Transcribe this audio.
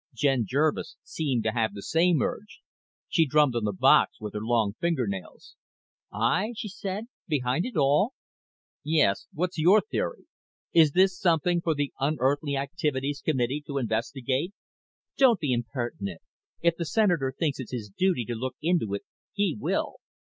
Jen Jervis seemed to have the same urge. She drummed on the box with her long fingernails. "I?" she said. "Behind it all?" "Yes. What's your theory? Is this something for the Un Earthly Activities Committee to investigate?" "Don't be impertinent. If the Senator thinks it's his duty to look into it, he will.